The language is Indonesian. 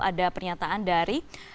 ada pernyataan dari